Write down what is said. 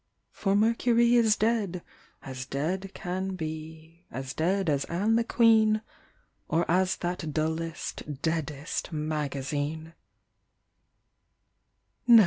For Mercury is dead, As dead can be, as dead as Anne the Queen, — 'Or as that dullest, deadest magazine